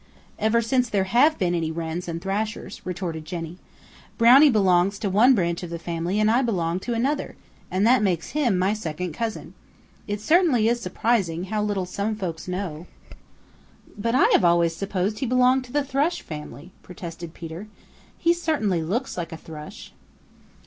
"Ever since there have been any Wrens and Thrashers," retorted Jenny. "Brownie belongs to one branch of the family and I belong to another, and that makes him my second cousin. It certainly is surprising how little some folks know." "But I have always supposed he belonged to the Thrush family," protested Peter. "He certainly looks like a Thrush."